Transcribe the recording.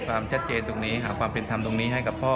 ความชัดเจนตรงนี้หาความเป็นธรรมตรงนี้ให้กับพ่อ